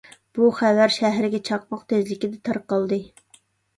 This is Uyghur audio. بۇ خەۋەر شەھەرگە چاقماق تېزلىكىدە تارقالدى.